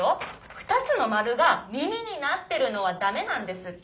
２つの丸が「耳」になってるのは駄目なんですって！